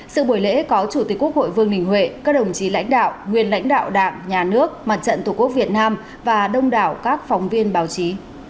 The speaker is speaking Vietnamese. sự buổi lễ có chủ tịch quốc hội vương đình huệ các đồng chí lãnh đạo nguyên lãnh đạo đảng nhà nước mặt trận tổ quốc việt nam và đông đảo các phóng viên báo chí